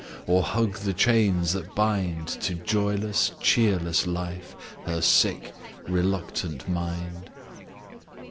Or hug the chains that bind To joyless, cheerless life, her sick, reluctant mind?